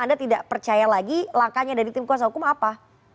anda tidak percaya lagi langkahnya dari tim kuasa hukum apa